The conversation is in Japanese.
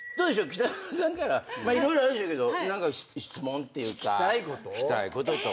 北川さんから色々あるでしょうけど何か質問っていうか聞きたいこととか。